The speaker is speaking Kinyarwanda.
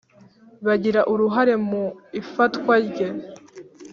Bagira uruhare mu ifatwa rye.